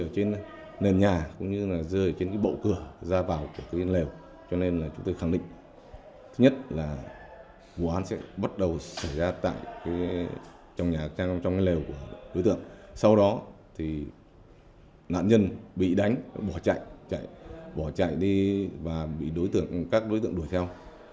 thì nạn nhân bị đánh bỏ chạy chạy bỏ chạy đi và bị đối tượng các đối tượng đuổi theo